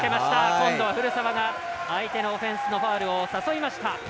今度は古澤が相手のオフェンスのファウルを誘いました。